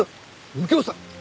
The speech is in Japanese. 右京さん！